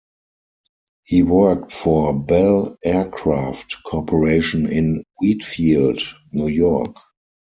He worked for Bell Aircraft Corporation in Wheatfield, New York.